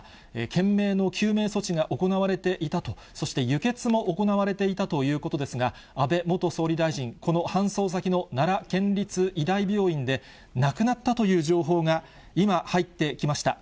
懸命の救命措置が行われていたと、そして輸血も行われていたということですが、安倍元総理大臣、この搬送先の奈良県立医大病院で、亡くなったという情報が、今、入ってきました。